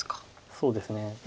そうですね。